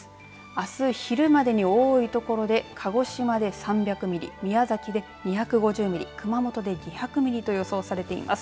あす昼までに多いところで鹿児島で３００ミリ宮崎で２５０ミリ熊本で２００ミリと予想されています。